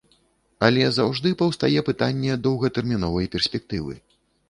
Але заўжды паўстае пытанне доўгатэрміновай перспектывы.